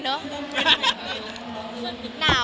มีใครปิดปาก